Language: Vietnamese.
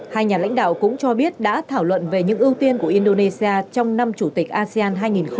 hai nhà lãnh đạo cũng cho biết đã thảo luận về những ưu tiên của indonesia trong năm chủ tịch asean hai nghìn hai mươi